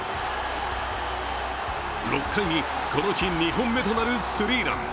６回にこの日２本目となるスリーラン。